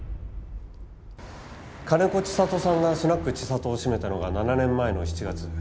金子千里さんがスナックちさとを閉めたのが７年前の７月。